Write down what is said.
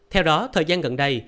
theo đó thời gian gần đây